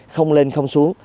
không lên không xuống